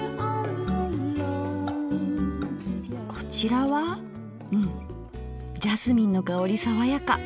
こちらはうんジャスミンの香り爽やか。